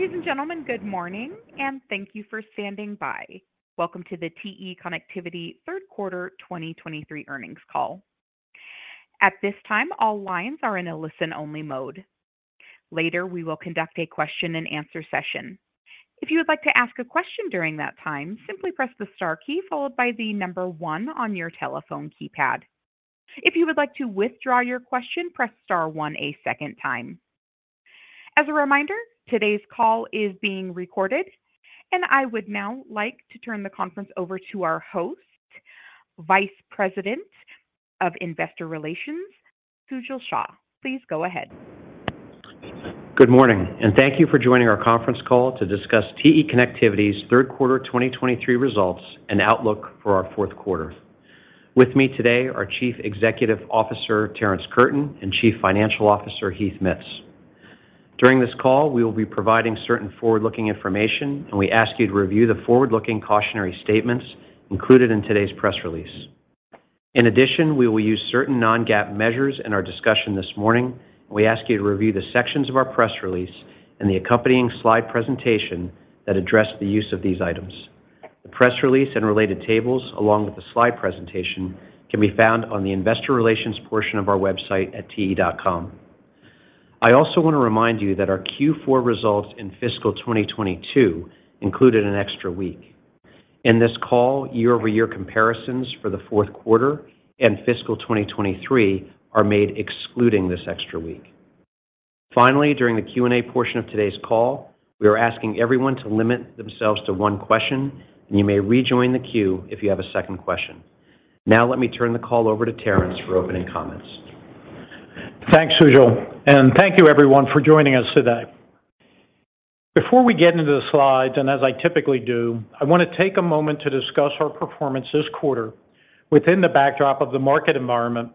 Ladies and gentlemen, good morning. Thank you for standing by. Welcome to the TE Connectivity third quarter 2023 earnings call. At this time, all lines are in a listen-only mode. Later, we will conduct a question-and-answer session. If you would like to ask a question during that time, simply press the star key followed by the 1 on your telephone keypad. If you would like to withdraw your question, press star one a second time. As a reminder, today's call is being recorded. I would now like to turn the conference over to our host, Vice President of Investor Relations, Sujal Shah. Please go ahead. Good morning, thank you for joining our conference call to discuss TE Connectivity's 3rd quarter 2023 results and outlook for our 4th quarter. With me today are Chief Executive Officer, Terrence Curtin, and Chief Financial Officer, Heath Mitts. During this call, we will be providing certain forward-looking information, we ask you to review the forward-looking cautionary statements included in today's press release. In addition, we will use certain non-GAAP measures in our discussion this morning. We ask you to review the sections of our press release and the accompanying slide presentation that address the use of these items. The press release and related tables, along with the slide presentation, can be found on the investor relations portion of our website at te.com. I also want to remind you that our Q4 results in fiscal 2022 included an extra week. In this call, year-over-year comparisons for the fourth quarter and fiscal 2023 are made excluding this extra week. Finally, during the Q&A portion of today's call, we are asking everyone to limit themselves to 1 question, and you may rejoin the queue if you have a second question. Now, let me turn the call over to Terrence for opening comments. Thanks, Sujal. Thank you everyone for joining us today. Before we get into the slides, and as I typically do, I want to take a moment to discuss our performance this quarter within the backdrop of the market environment,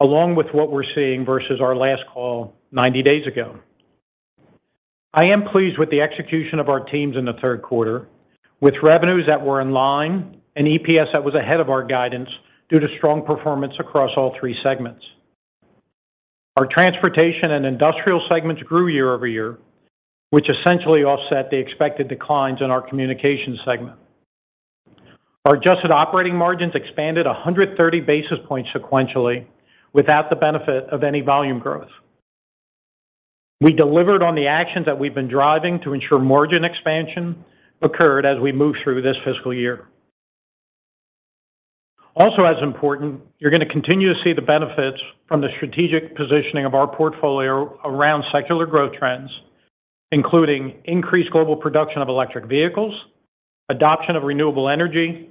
along with what we're seeing versus our last call 90 days ago. I am pleased with the execution of our teams in the third quarter, with revenues that were in line and EPS that was ahead of our guidance due to strong performance across all three segments. Our transportation and industrial segments grew year-over-year, which essentially offset the expected declines in our communication segment. Our adjusted operating margins expanded 130 basis points sequentially without the benefit of any volume growth. We delivered on the actions that we've been driving to ensure margin expansion occurred as we move through thisfiscal year. As important, you're going to continue to see the benefits from the strategic positioning of our portfolio around secular growth trends, including increased global production of electric vehicles, adoption of renewable energy,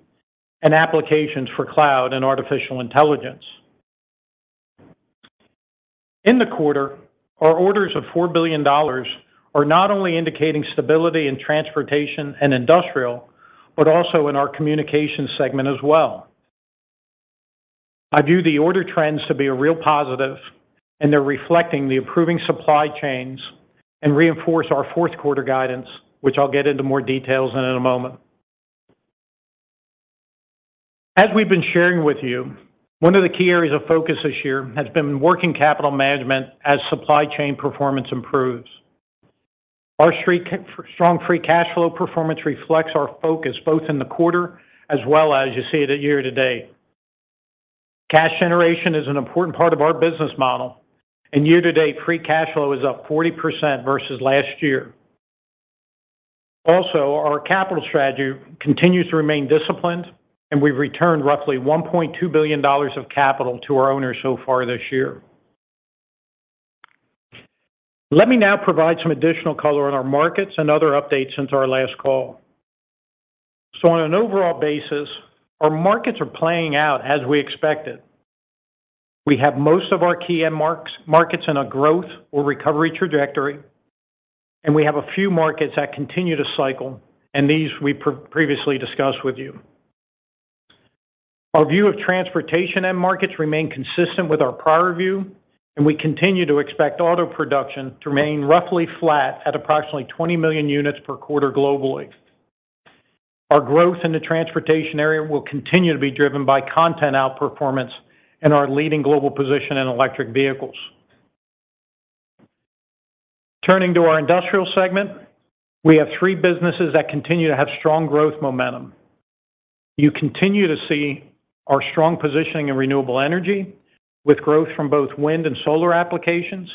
and applications for cloud and artificial intelligence. In the quarter, our orders of $4 billion are not only indicating stability in transportation and industrial, but also in our communication segment as well. I view the order trends to be a real positive, and they're reflecting the improving supply chains and reinforce our fourth quarter guidance, which I'll get into more details in a moment. As we've been sharing with you, one of the key areas of focus this year has been working capital management as supply chain performance improves. Our strong free cash flow performance reflects our focus both in the quarter as well as you see it at year-to-date. Cash generation is an important part of our business model, year to date, free cash flow is up 40% versus last year. Our capital strategy continues to remain disciplined, and we've returned roughly $1.2 billion of capital to our owners so far this year. Let me now provide some additional color on our markets and other updates since our last call. On an overall basis, our markets are playing out as we expected. We have most of our key end marks, markets in a growth or recovery trajectory, and we have a few markets that continue to cycle, and these we previously discussed with you. Our view of transportation end markets remain consistent with our prior view, and we continue to expect auto production to remain roughly flat at approximately 20 million units per quarter globally. Our growth in the transportation area will continue to be driven by content outperformance and our leading global position in electric vehicles. Turning to our industrial segment, we have three businesses that continue to have strong growth momentum. You continue to see our strong positioning in renewable energy, with growth from both wind and solar applications.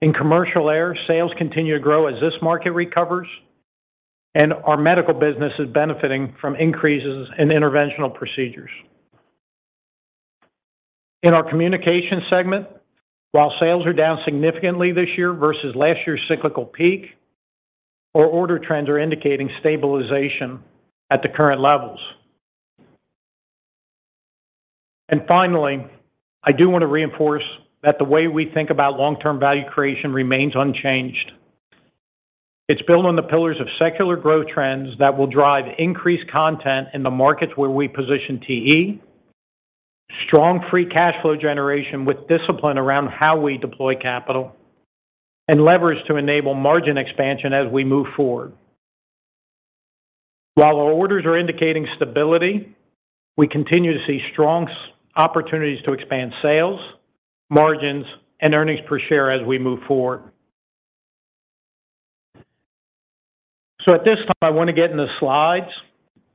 In commercial air, sales continue to grow as this market recovers, and our medical business is benefiting from increases in interventional procedures. In our communication segment, while sales are down significantly this year versus last year's cyclical peak, our order trends are indicating stabilization at the current levels. Finally, I do want to reinforce that the way we think about long-term value creation remains unchanged. It's built on the pillars of secular growth trends that will drive increased content in the markets where we position TE, strong free cash flow generation with discipline around how we deploy capital, and leverage to enable margin expansion as we move forward. While our orders are indicating stability, we continue to see strong opportunities to expand sales, margins, and earnings per share as we move forward. At this time, I want to get in the slides,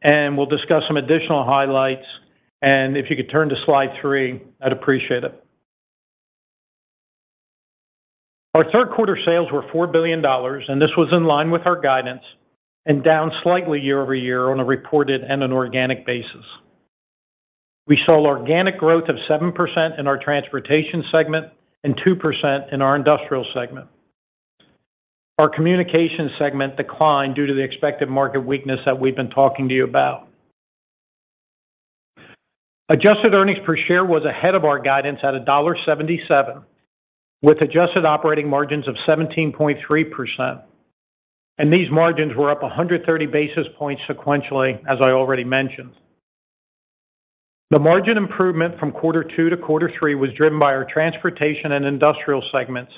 and we'll discuss some additional highlights, and if you could turn to slide 3, I'd appreciate it. Our third quarter sales were $4 billion, and this was in line with our guidance and down slightly year-over-year on a reported and an organic basis. We saw organic growth of 7% in our transportation segment and 2% in our industrial segment. Our communication segment declined due to the expected market weakness that we've been talking to you about. Adjusted earnings per share was ahead of our guidance at $1.77, with adjusted operating margins of 17.3%. These margins were up 130 basis points sequentially, as I already mentioned. The margin improvement from quarter two to quarter three was driven by our transportation and industrial segments,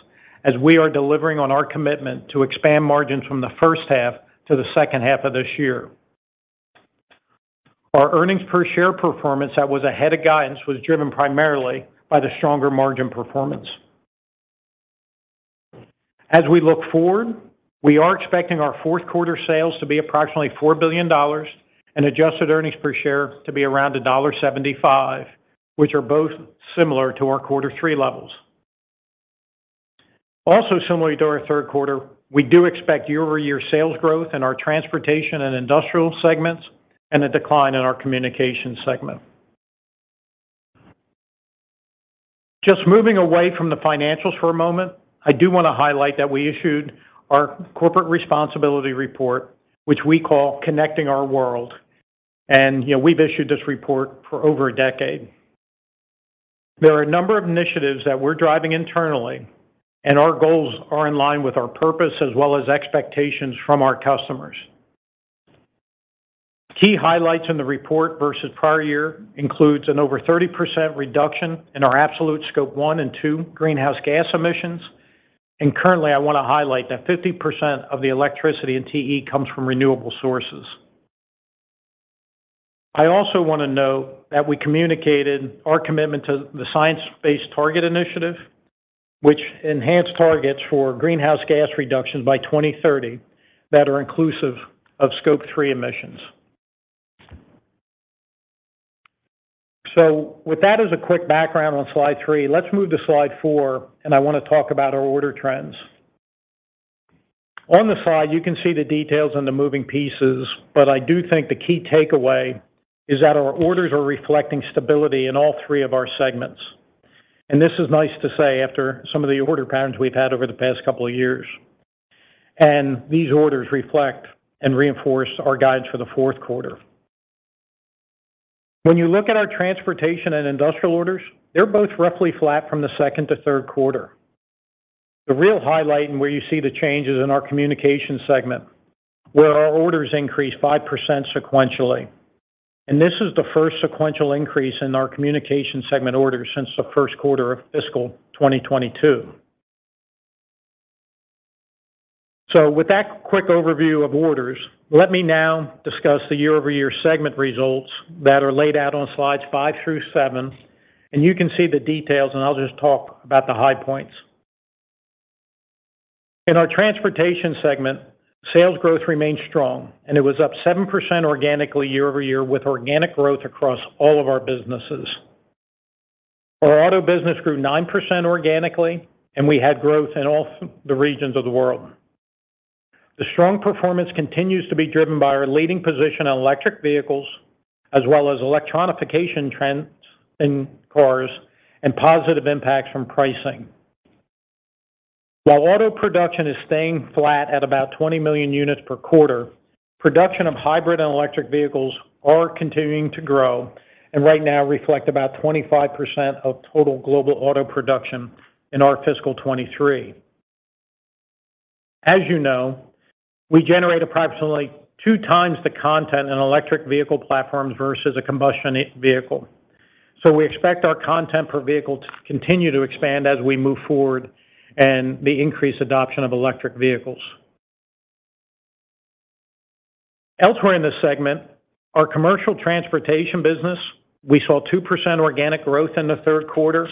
as we are delivering on our commitment to expand margins from the first half to the second half of this year. Our earnings per share performance that was ahead of guidance was driven primarily by the stronger margin performance. As we look forward, we are expecting our fourth quarter sales to be approximately $4 billion and adjusted earnings per share to be around $1.75, which are both similar to our quarter three levels. Similarly to our third quarter, we do expect year-over-year sales growth in our transportation and industrial segments and a decline in our communication segment. Moving away from the financials for a moment, I do want to highlight that we issued our corporate responsibility report, which we call Connecting Our World, and, you know, we've issued this report for over a decade. There are a number of initiatives that we're driving internally, and our goals are in line with our purpose as well as expectations from our customers. Key highlights in the report versus prior year includes an over 30% reduction in our absolute Scope 1 and 2 greenhouse gas emissions, and currently, I want to highlight that 50% of the electricity in TE comes from renewable sources. I also want to note that we communicated our commitment to the Science Based Targets initiative, which enhanced targets for greenhouse gas reductions by 2030 that are inclusive of Scope 3 emissions. With that as a quick background on slide 3, let's move to slide 4, and I want to talk about our order trends. On the slide, you can see the details and the moving pieces, but I do think the key takeaway is that our orders are reflecting stability in all three of our segments. This is nice to say after some of the order patterns we've had over the past couple of years, and these orders reflect and reinforce our guides for the fourth quarter. When you look at our transportation and industrial orders, they're both roughly flat from the second to third quarter. The real highlight and where you see the changes in our communication segment, where our orders increased 5% sequentially. This is the first sequential increase in our communication segment orders since the first quarter of fiscal 2022. With that quick overview of orders, let me now discuss the year-over-year segment results that are laid out on slides 5 through 7. You can see the details, and I'll just talk about the high points. In our transportation segment, sales growth remained strong, and it was up 7% organically year-over-year with organic growth across all of our businesses. Our auto business grew 9% organically. We had growth in all the regions of the world. The strong performance continues to be driven by our leading position on electric vehicles, as well as electronification trends in cars and positive impacts from pricing. While auto production is staying flat at about 20 million units per quarter, production of hybrid and electric vehicles are continuing to grow and right now reflect about 25% of total global auto production in our fiscal 2023. As you know, we generate approximately two times the content in electric vehicle platforms versus a combustion vehicle. We expect our content per vehicle to continue to expand as we move forward and the increased adoption of electric vehicles. Elsewhere in this segment, our commercial transportation business, we saw 2% organic growth in the 3rd quarter,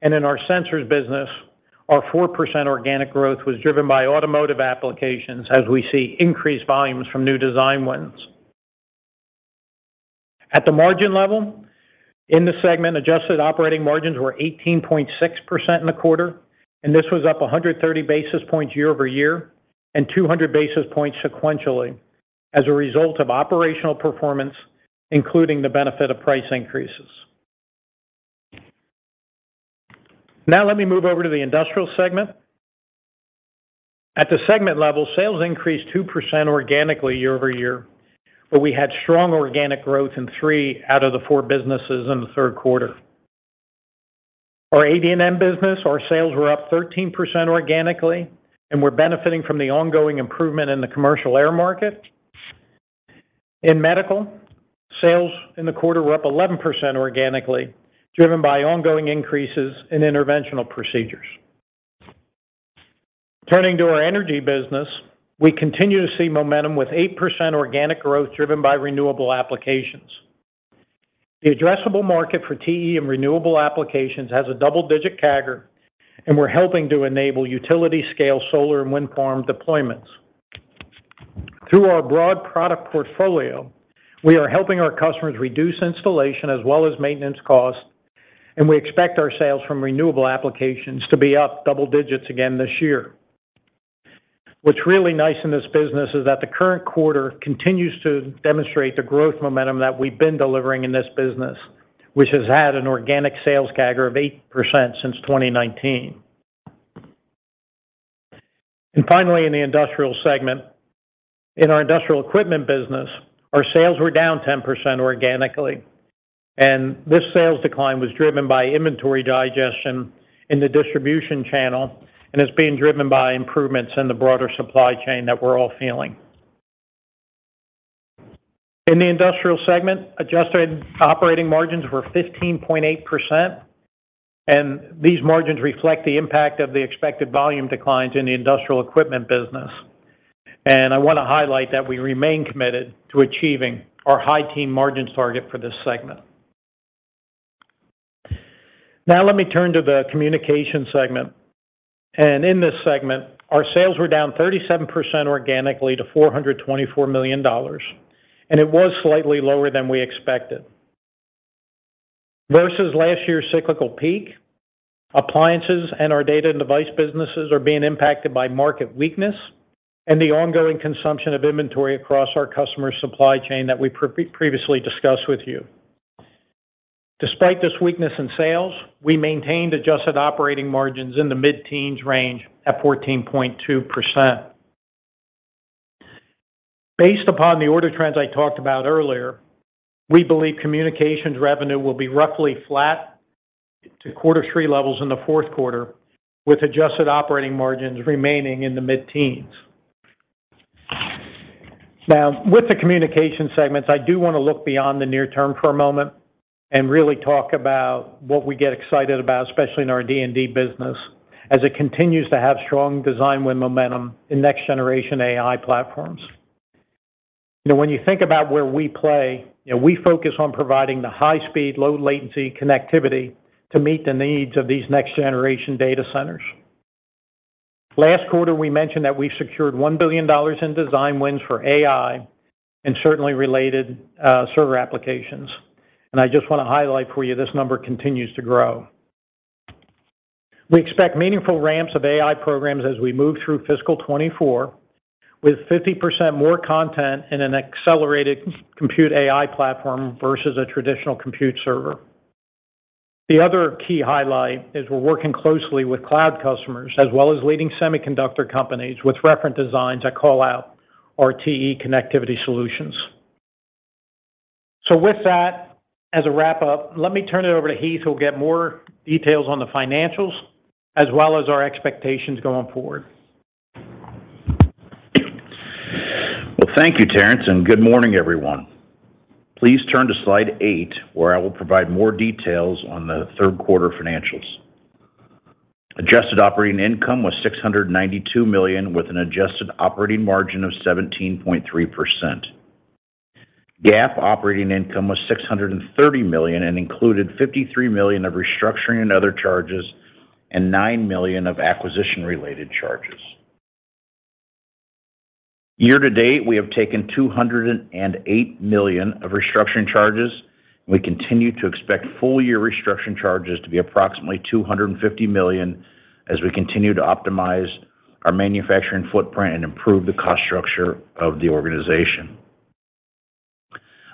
and in our sensors business, our 4% organic growth was driven by automotive applications as we see increased volumes from new design wins. At the margin level, in the segment, adjusted operating margins were 18.6% in the quarter. This was up 130 basis points year-over-year and 200 basis points sequentially as a result of operational performance, including the benefit of price increases. Let me move over to the industrial segment. At the segment level, sales increased 2% organically year-over-year. We had strong organic growth in 3 out of the 4 businesses in the third quarter. Our AD&M business, our sales were up 13% organically. We're benefiting from the ongoing improvement in the commercial air market. In medical, sales in the quarter were up 11% organically, driven by ongoing increases in interventional procedures. Turning to our energy business, we continue to see momentum with 8% organic growth driven by renewable applications. The addressable market for TE in renewable applications has a double-digit CAGR, and we're helping to enable utility-scale solar and wind farm deployments. Through our broad product portfolio, we are helping our customers reduce installation as well as maintenance costs, and we expect our sales from renewable applications to be up double digits again this year. What's really nice in this business is that the current quarter continues to demonstrate the growth momentum that we've been delivering in this business, which has had an organic sales CAGR of 8% since 2019. Finally, in the industrial segment, in our industrial equipment business, our sales were down 10% organically, and this sales decline was driven by inventory digestion in the distribution channel and is being driven by improvements in the broader supply chain that we're all feeling. In the industrial segment, adjusted operating margins were 15.8%. These margins reflect the impact of the expected volume declines in the industrial equipment business. I want to highlight that we remain committed to achieving our high-teen margins target for this segment. Now let me turn to the communication segment. In this segment, our sales were down 37% organically to $424 million. It was slightly lower than we expected. Versus last year's cyclical peak, appliances and our data and device businesses are being impacted by market weakness and the ongoing consumption of inventory across our customer supply chain that we previously discussed with you. Despite this weakness in sales, we maintained adjusted operating margins in the mid-teens range at 14.2%. Based upon the order trends I talked about earlier, we believe communications revenue will be roughly flat to Q3 levels in the Q4, with adjusted operating margins remaining in the mid-teens. With the communication segments, I do want to look beyond the near term for a moment and really talk about what we get excited about, especially in our D&D business, as it continues to have strong design win momentum in next generation AI platforms. Last quarter, we mentioned that we secured $1 billion in design wins for AI and certainly related server applications. I just want to highlight for you, this number continues to grow. We expect meaningful ramps of AI programs as we move through fiscal 2024, with 50% more content in an accelerated compute AI platform versus a traditional compute server. The other key highlight is we're working closely with cloud customers as well as leading semiconductor companies with reference designs that call out our TE Connectivity solutions. With that, as a wrap-up, let me turn it over to Heath, who will get more details on the financials as well as our expectations going forward. Well, thank you, Terrence, good morning, everyone. Please turn to slide 8, where I will provide more details on the third quarter financials. Adjusted operating income was $692 million, with an adjusted operating margin of 17.3%. GAAP operating income was $630 million and included $53 million of restructuring and other charges, and $9 million of acquisition-related charges. Year to date, we have taken $208 million of restructuring charges, and we continue to expect full-year restructuring charges to be approximately $250 million as we continue to optimize our manufacturing footprint and improve the cost structure of the organization.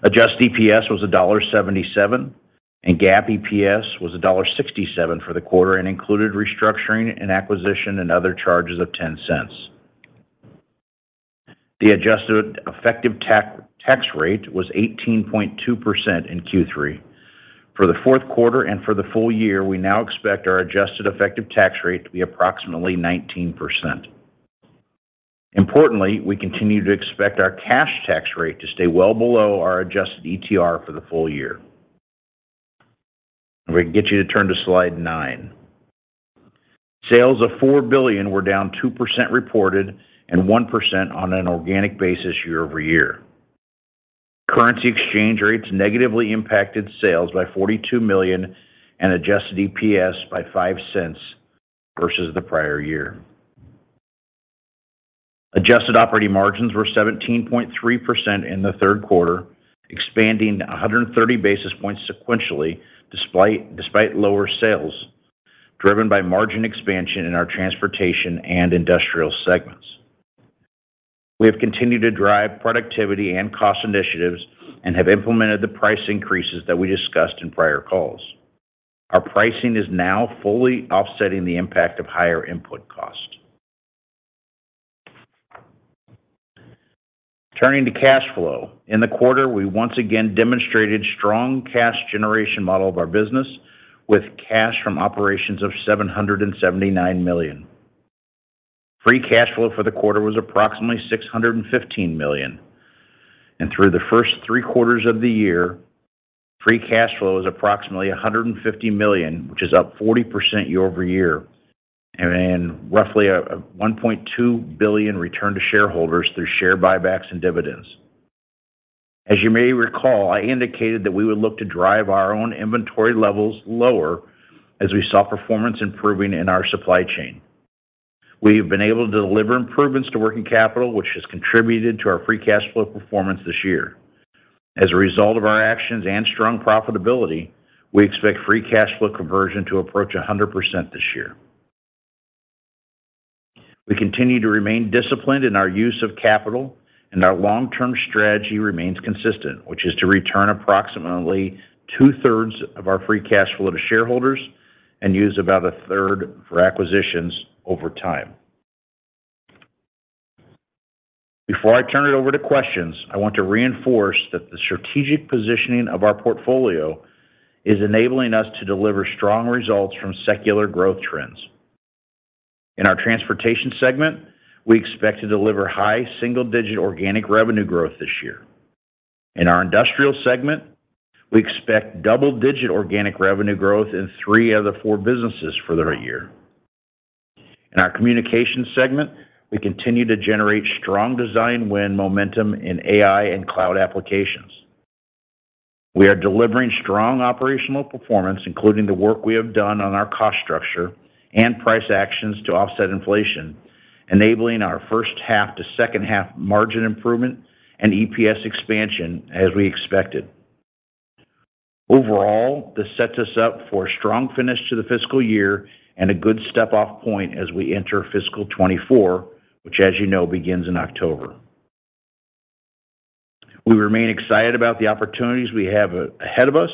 Adjusted EPS was $1.77, and GAAP EPS was $1.67 for the quarter and included restructuring and acquisition and other charges of $0.10. The adjusted effective tax rate was 18.2% in Q3. For the fourth quarter and for the full year, we now expect our adjusted effective tax rate to be approximately 19%. We continue to expect our cash tax rate to stay well below our adjusted ETR for the full year. If I can get you to turn to slide 9. Sales of $4 billion were down 2% reported and 1% on an organic basis year-over-year. Currency exchange rates negatively impacted sales by $42 million and adjusted EPS by $0.05 versus the prior year. Adjusted operating margins were 17.3% in the third quarter, expanding 130 basis points sequentially, despite lower sales, driven by margin expansion in our Transportation and Industrial segments. We have continued to drive productivity and cost initiatives and have implemented the price increases that we discussed in prior calls. Our pricing is now fully offsetting the impact of higher input costs. Turning to cash flow. In the quarter, we once again demonstrated strong cash generation model of our business with cash from operations of $779 million. Free cash flow for the quarter was approximately $615 million. Through the first three quarters of the year, free cash flow is approximately $1.5 billion, which is up 40% year-over-year, and then roughly a $1.2 billion return to shareholders through share buybacks and dividends. As you may recall, I indicated that we would look to drive our own inventory levels lower as we saw performance improving in our supply chain. We have been able to deliver improvements to working capital, which has contributed to our free cash flow performance this year. As a result of our actions and strong profitability, we expect free cash flow conversion to approach 100% this year. We continue to remain disciplined in our use of capital, and our long-term strategy remains consistent, which is to return approximately two-thirds of our free cash flow to shareholders and use about a third for acquisitions over time. Before I turn it over to questions, I want to reinforce that the strategic positioning of our portfolio is enabling us to deliver strong results from secular growth trends. In our transportation segment, we expect to deliver high single-digit organic revenue growth this year. In our industrial segment, we expect double-digit organic revenue growth in three of the four businesses for the year. In our communication segment, we continue to generate strong design win momentum in AI and cloud applications. We are delivering strong operational performance, including the work we have done on our cost structure and price actions to offset inflation, enabling our first half to second half margin improvement and EPS expansion as we expected. Overall, this sets us up for a strong finish to the fiscal year and a good step-off point as we enter fiscal 2024, which, as you know, begins in October. We remain excited about the opportunities we have ahead of us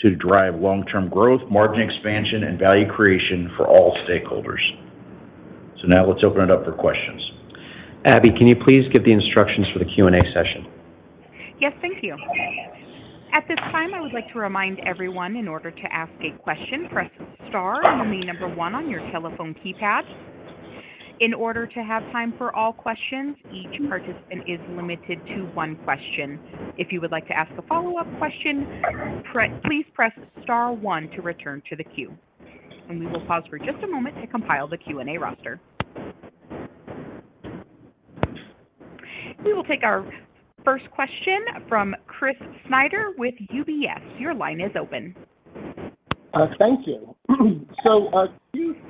to drive long-term growth, margin expansion, and value creation for all stakeholders. Now let's open it up for questions. Abby, can you please give the instructions for the Q&A session? Yes, thank you. At this time, I would like to remind everyone in order to ask a question, press star followed by 1 on your telephone keypad. In order to have time for all questions, each participant is limited to 1 question. If you would like to ask a follow-up question, please press star 1 to return to the queue. We will pause for just a moment to compile the Q&A roster. We will take our first question from Chris Snyder with UBS. Your line is open. Thank you.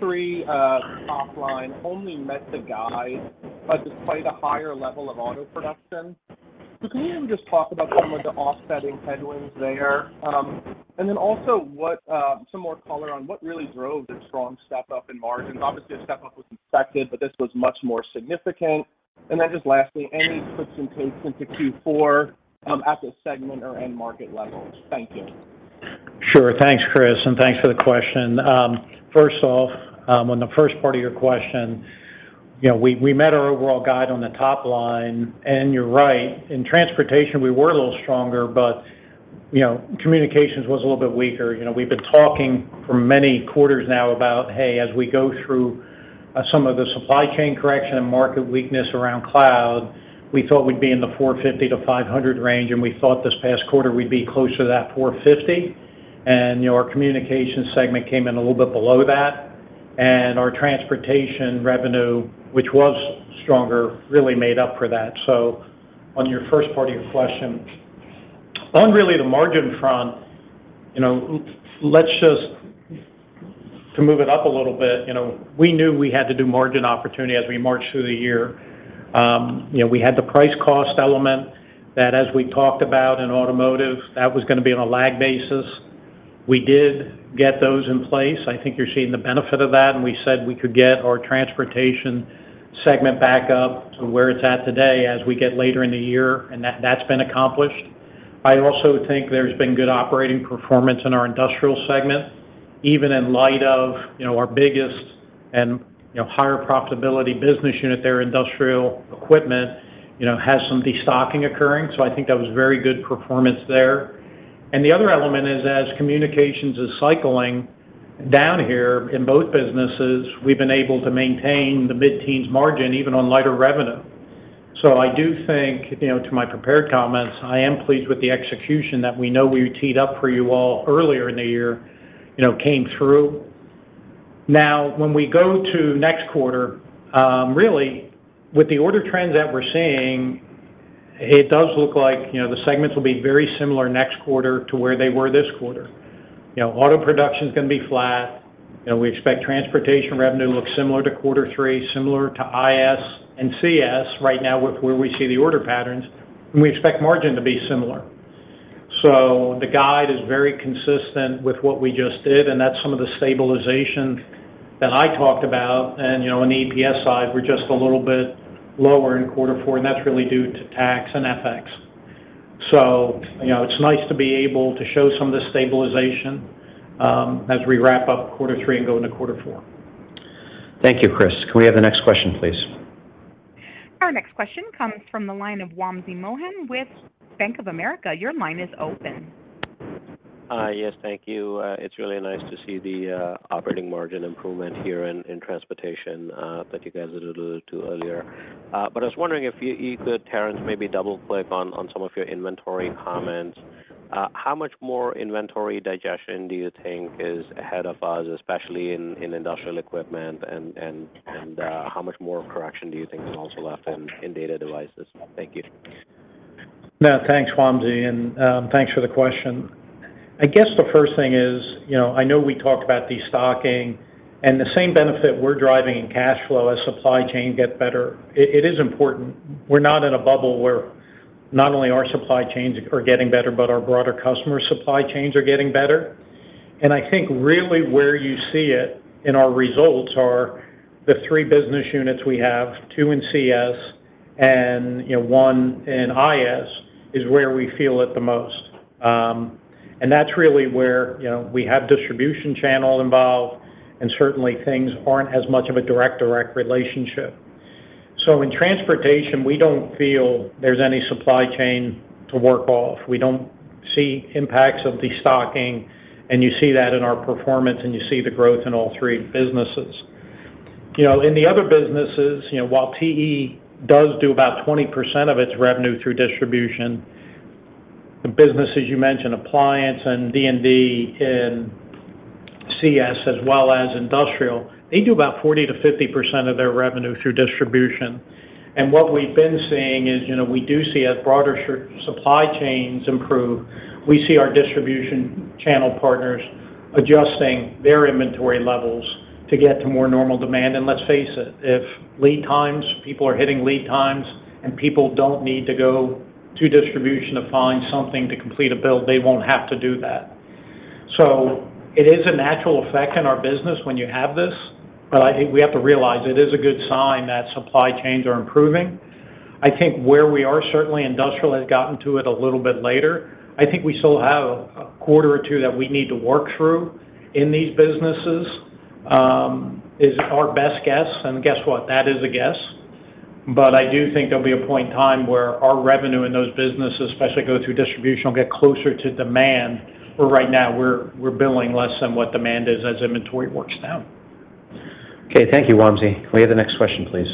Q3 top line only met the guide despite a higher level of auto production. Can you just talk about some of the offsetting headwinds there? Also what some more color on what really drove the strong step up in margins. Obviously, a step up was expected, but this was much more significant. Just lastly, any puts and takes into Q4 at the segment or end market levels? Thank you. Sure. Thanks, Chris, and thanks for the question. First off, on the first part of your question, you know, we met our overall guide on the top line, and you're right. In transportation, we were a little stronger, but, you know, communications was a little bit weaker. You know, we've been talking for many quarters now about, hey, as we go through some of the supply chain correction and market weakness around cloud, we thought we'd be in the $450-$500 range, and we thought this past quarter we'd be closer to that $450. You know, our communication segment came in a little bit below that, and our transportation revenue, which was stronger, really made up for that. On your first part of your question, on really the margin front, you know, let's just move it up a little bit, you know, we knew we had to do margin opportunity as we marched through the year. You know, we had the price cost element that as we talked about in automotive, that was gonna be on a lag basis. We did get those in place. I think you're seeing the benefit of that, and we said we could get our transportation segment back up to where it's at today as we get later in the year, and that's been accomplished. I also think there's been good operating performance in our industrial segment, even in light of, you know, our biggest and, you know, higher profitability business unit, their industrial equipment, you know, has some destocking occurring. I think that was very good performance there. The other element is, as communications is cycling down here in both businesses, we've been able to maintain the mid-teens margin, even on lighter revenue. I do think, you know, to my prepared comments, I am pleased with the execution that we know we teed up for you all earlier in the year, you know, came through. When we go to next quarter, really, with the order trends that we're seeing, it does look like, you know, the segments will be very similar next quarter to where they were this quarter. You know, auto production is going to be flat. You know, we expect transportation revenue to look similar to quarter three, similar to IS and CS right now with where we see the order patterns, and we expect margin to be similar. The guide is very consistent with what we just did, and that's some of the stabilization that I talked about. You know, on the EPS side, we're just a little bit lower in quarter four, and that's really due to tax and FX. You know, it's nice to be able to show some of the stabilization, as we wrap up quarter three and go into quarter four. Thank you, Chris. Can we have the next question, please? Our next question comes from the line of Wamsi Mohan with Bank of America. Your line is open. Hi. Yes, thank you. It's really nice to see the operating margin improvement here in transportation that you guys alluded to earlier. I was wondering if you could, Terrence, maybe double-click on some of your inventory comments. How much more inventory digestion do you think is ahead of us, especially in industrial equipment? How much more correction do you think is also left in data devices? Thank you. Yeah, thanks, Wamsi, thanks for the question. I guess the first thing is, you know, I know we talked about destocking, the same benefit we're driving in cash flow as supply chain get better, it is important. We're not in a bubble where not only our supply chains are getting better, but our broader customer supply chains are getting better. I think really where you see it in our results are the three business units we have, two in CS and, you know, one in IS, is where we feel it the most. That's really where, you know, we have distribution channel involved, and certainly things aren't as much of a direct-direct relationship. In transportation, we don't feel there's any supply chain to work off. We don't see impacts of destocking, you see that in our performance, and you see the growth in all three businesses. You know, in the other businesses, you know, while TE does do about 20% of its revenue through distribution, the businesses you mentioned, Appliance and D&D in CS as well as Industrial, they do about 40%-50% of their revenue through distribution. What we've been seeing is, you know, we do see as broader supply chains improve, we see our distribution channel partners adjusting their inventory levels to get to more normal demand. Let's face it, if lead times, people are hitting lead times, and people don't need to go to distribution to find something to complete a build, they won't have to do that. It is a natural effect in our business when you have this, but I think we have to realize it is a good sign that supply chains are improving. I think where we are, certainly industrial has gotten to it a little bit later. I think we still have a quarter or two that we need to work through in these businesses, is our best guess, and guess what? That is a guess. I do think there'll be a point in time where our revenue in those businesses, especially go through distribution, will get closer to demand, where right now we're billing less than what demand is as inventory works down. Okay, thank you, Wamsi. May we have the next question, please?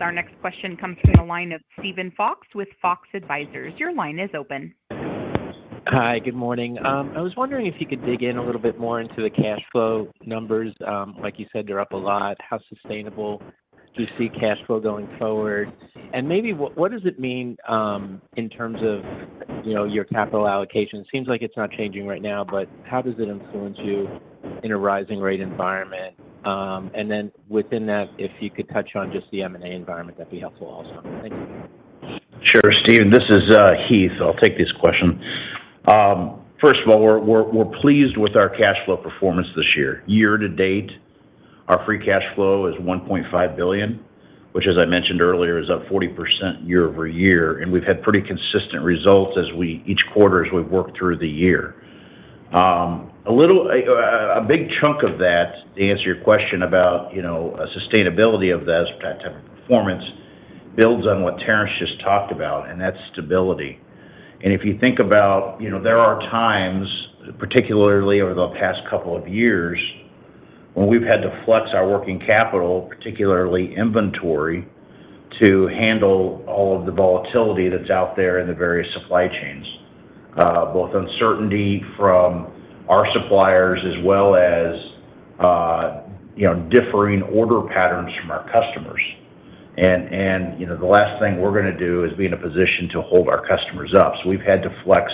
Our next question comes from the line of Steven Fox with Fox Advisors. Your line is open. Hi, good morning. I was wondering if you could dig in a little bit more into the cash flow numbers. Like you said, they're up a lot. How sustainable do you see cash flow going forward? Maybe what does it mean, in terms of, you know, your capital allocation? It seems like it's not changing right now, but how does it influence you in a rising rate environment? Then within that, if you could touch on just the M&A environment, that'd be helpful also. Thank you. Sure, Steven. This is Heath. I'll take this question. First of all, we're pleased with our cash flow performance this year. Year to date, our free cash flow is $1.5 billion, which, as I mentioned earlier, is up 40% year-over-year, and we've had pretty consistent results each quarter as we've worked through the year. A big chunk of that, to answer your question about, you know, a sustainability of this type of performance, builds on what Terrence just talked about, and that's stability. If you think about, you know, there are times, particularly over the past couple of years, when we've had to flex our working capital, particularly inventory, to handle all of the volatility that's out there in the various supply chains. Both uncertainty from our suppliers as well as, you know, differing order patterns from our customers. You know, the last thing we're gonna do is be in a position to hold our customers up, so we've had to flex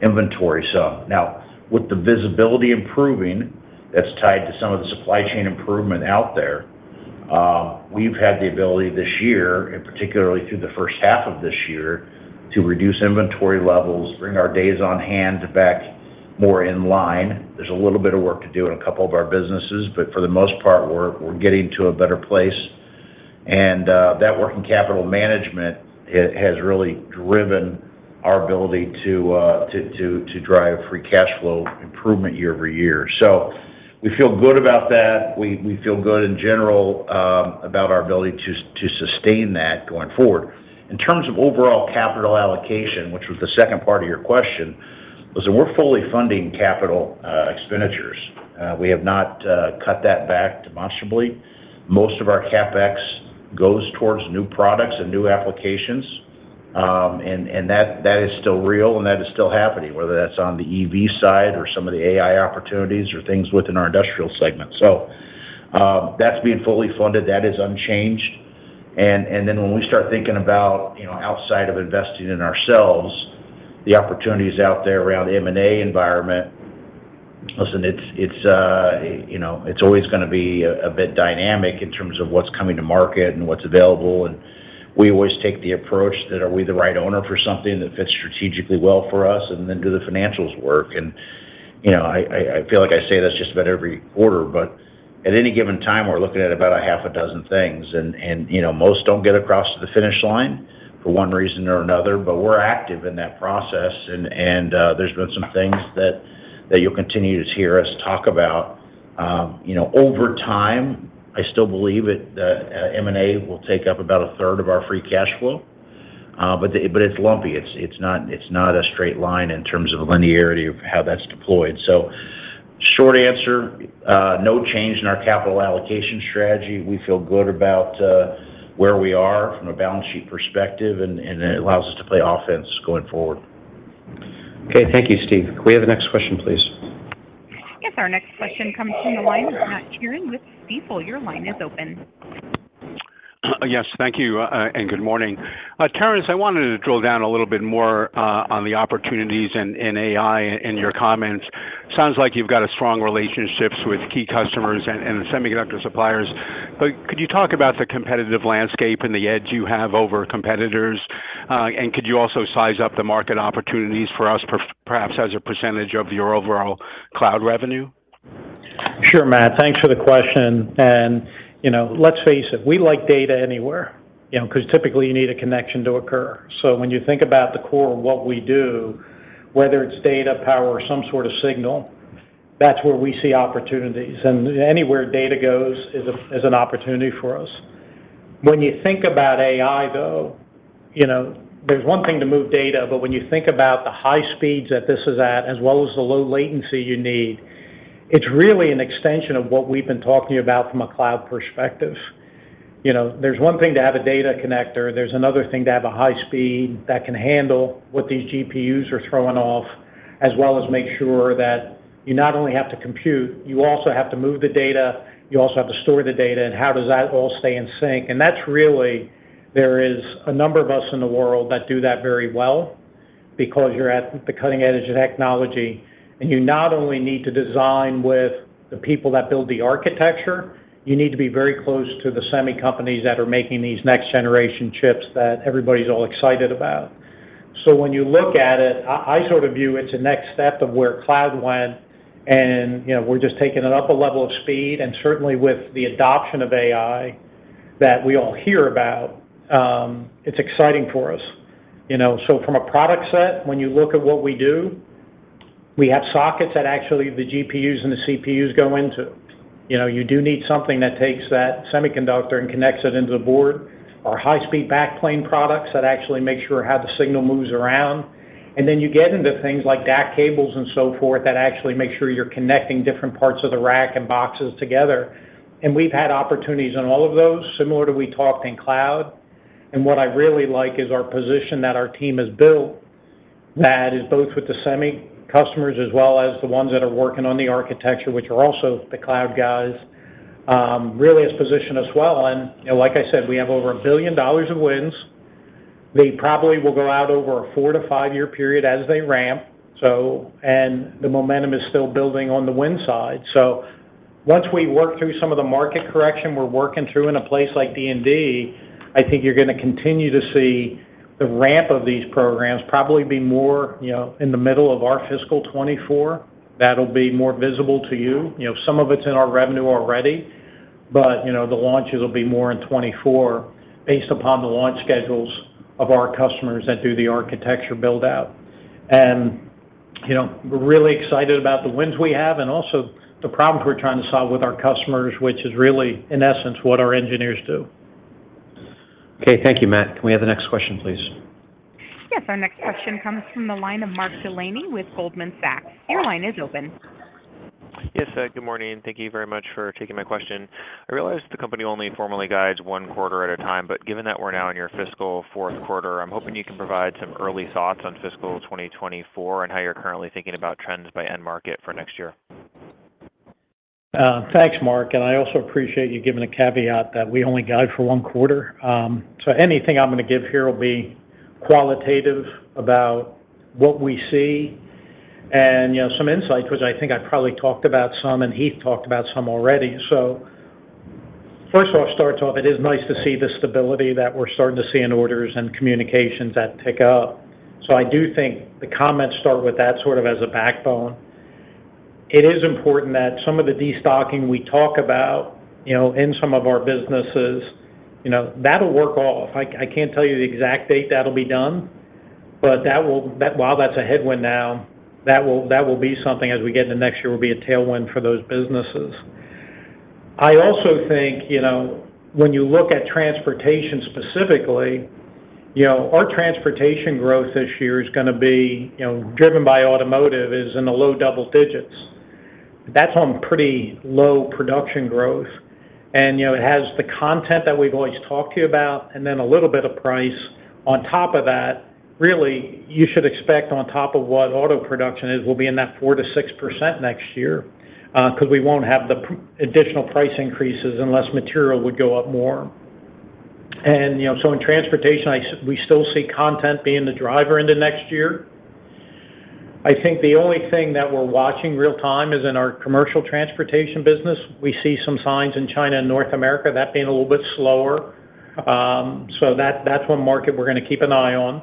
inventory. Now, with the visibility improving, that's tied to some of the supply chain improvement out there, we've had the ability this year, and particularly through the first half of this year, to reduce inventory levels, bring our days on hand back more in line. There's a little bit of work to do in a couple of our businesses, but for the most part, we're getting to a better place. That working capital management has really driven our ability to drive free cash flow improvement year-over-year. We feel good about that. We feel good in general about our ability to sustain that going forward. In terms of overall capital allocation, which was the second part of your question, listen, we're fully funding capital expenditures. We have not cut that back demonstrably. Most of our CapEx goes towards new products and new applications, and that is still real, and that is still happening, whether that's on the EV side or some of the AI opportunities or things within our industrial segment. That's being fully funded, that is unchanged. Then when we start thinking about, you know, outside of investing in ourselves, the opportunities out there around the M&A environment, listen, it's, you know, it's always gonna be a bit dynamic in terms of what's coming to market and what's available, and we always take the approach that, are we the right owner for something that fits strategically well for us, and then do the financials work? You know, I feel like I say this just about every quarter, but at any given time, we're looking at about a half a dozen things and, you know, most don't get across the finish line for one reason or another, but we're active in that process. There's been some things that you'll continue to hear us talk about.... you know, over time, I still believe it, that M&A will take up about a third of our free cash flow. It's lumpy. It's not a straight line in terms of the linearity of how that's deployed. Short answer, no change in our capital allocation strategy. We feel good about where we are from a balance sheet perspective, and it allows us to play offense going forward. Okay. Thank you, Steve. Can we have the next question, please? Yes, our next question comes from the line of Matt Sheerin with Stifel. Your line is open. Yes, thank you, and good morning. Terrence, I wanted to drill down a little bit more on the opportunities in AI in your comments. Sounds like you've got a strong relationships with key customers and the semiconductor suppliers, but could you talk about the competitive landscape and the edge you have over competitors? Could you also size up the market opportunities for us perhaps as a percentage of your overall cloud revenue? Sure, Matt, thanks for the question. You know, let's face it, we like data anywhere, you know, 'cause typically you need a connection to occur. When you think about the core of what we do, whether it's data, power, or some sort of signal, that's where we see opportunities. Anywhere data goes is an opportunity for us. When you think about AI, though, you know, there's one thing to move data, but when you think about the high speeds that this is at, as well as the low latency you need, it's really an extension of what we've been talking about from a cloud perspective. You know, there's one thing to have a data connector, there's another thing to have a high speed that can handle what these GPUs are throwing off, as well as make sure that you not only have to compute, you also have to move the data, you also have to store the data. How does that all stay in sync? That's really, there is a number of us in the world that do that very well because you're at the cutting edge of technology. You not only need to design with the people that build the architecture, you need to be very close to the semi companies that are making these next generation chips that everybody's all excited about. When you look at it, I sort of view it's a next step of where cloud went, and you know, we're just taking it up a level of speed. Certainly with the adoption of AI that we all hear about, it's exciting for us. You know, from a product set, when you look at what we do, we have sockets that actually the GPUs and the CPUs go into. You know, you do need something that takes that semiconductor and connects it into the board, or high-speed backplane products that actually make sure how the signal moves around. Then you get into things like DAC cables and so forth, that actually make sure you're connecting different parts of the rack and boxes together. We've had opportunities on all of those, similar to we talked in cloud. What I really like is our position that our team has built, that is both with the semi customers as well as the ones that are working on the architecture, which are also the cloud guys, really has positioned us well. You know, like I said, we have over $1 billion of wins. They probably will go out over a 4-5-year period as they ramp, so, and the momentum is still building on the win side. Once we work through some of the market correction we're working through in a place like D&D, I think you're gonna continue to see the ramp of these programs probably be more, you know, in the middle of our fiscal 2024. That'll be more visible to you. You know, some of it's in our revenue already. You know, the launches will be more in 2024 based upon the launch schedules of our customers that do the architecture build-out. You know, we're really excited about the wins we have and also the problems we're trying to solve with our customers, which is really, in essence, what our engineers do. Okay. Thank you, Matt. Can we have the next question, please? Yes, our next question comes from the line of Mark Delaney with Goldman Sachs. Your line is open. Yes, good morning. Thank you very much for taking my question. I realize the company only formally guides one quarter at a time. Given that we're now in your fiscal fourth quarter, I'm hoping you can provide some early thoughts on fiscal 2024 and how you're currently thinking about trends by end market for next year. Thanks, Mark, I also appreciate you giving a caveat that we only guide for one quarter. Anything I'm gonna give here will be qualitative about what we see and, you know, some insight, which I think I probably talked about some, and Heath talked about some already. First off, start off, it is nice to see the stability that we're starting to see in orders and communications that tick up. I do think the comments start with that sort of as a backbone. It is important that some of the destocking we talk about, you know, in some of our businesses, you know, that'll work off. I can't tell you the exact date that'll be done, but that, while that's a headwind now, that will be something as we get into next year, will be a tailwind for those businesses. I also think, you know, when you look at transportation specifically, you know, our transportation growth this year is gonna be, you know, driven by automotive, is in the low double digits. That's on pretty low production growth. You know, it has the content that we've always talked to you about, and then a little bit of price on top of that. Really, you should expect on top of what auto production is, will be in that 4%-6% next year, 'cause we won't have the additional price increases unless material would go up more. You know, in transportation, we still see content being the driver into next year. I think the only thing that we're watching real time is in our commercial transportation business. We see some signs in China and North America, that being a little bit slower. That's one market we're gonna keep an eye on.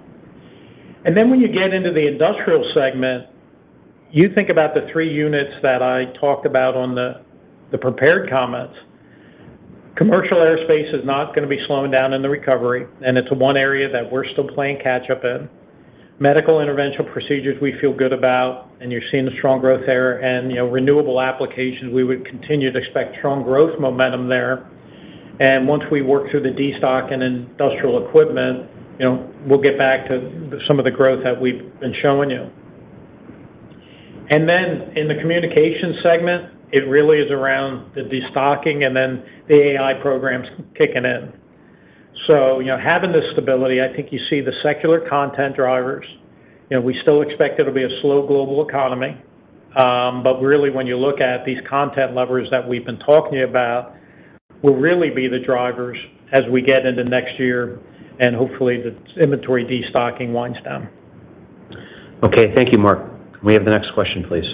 When you get into the industrial segment, you think about the three units that I talked about on the prepared comments. Commercial airspace is not going to be slowing down in the recovery, and it's one area that we're still playing catch up in. Medical interventional procedures, we feel good about, and you're seeing the strong growth there. You know, renewable applications, we would continue to expect strong growth momentum there. Once we work through the destock and industrial equipment, you know, we'll get back to some of the growth that we've been showing you. Then in the communication segment, it really is around the destocking and then the AI programs kicking in. You know, having this stability, I think you see the secular content drivers. You know, we still expect it'll be a slow global economy, but really, when you look at these content levers that we've been talking about, will really be the drivers as we get into next year, and hopefully, the inventory destocking winds down. Okay. Thank you, Mark. Can we have the next question, please?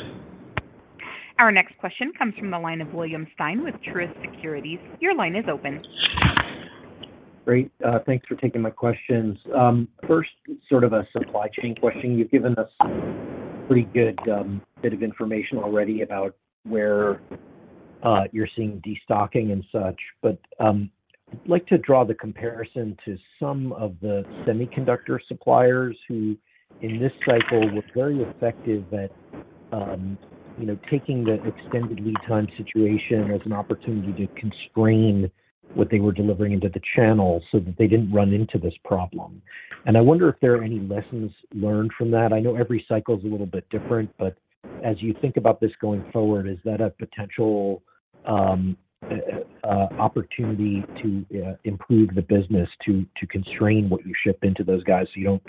Our next question comes from the line of William Stein with Truist Securities. Your line is open. Great. Thanks for taking my questions. First, sort of a supply chain question. You've given us a pretty good bit of information already about where you're seeing destocking and such. I'd like to draw the comparison to some of the semiconductor suppliers who, in this cycle, were very effective at taking the extended lead time situation as an opportunity to constrain what they were delivering into the channel so that they didn't run into this problem. I wonder if there are any lessons learned from that. I know every cycle is a little bit different, but as you think about this going forward, is that a potential opportunity to improve the business to constrain what you ship into those guys, so you don't